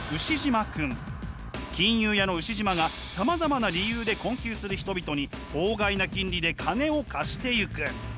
金融屋のウシジマがさまざまな理由で困窮する人々に法外な金利で金を貸していく。